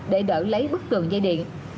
để đỡ lấy bức tường dây điện